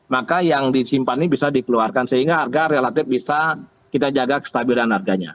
maka yang disimpan ini bisa dikeluarkan sehingga harga relatif bisa kita jaga kestabilan harganya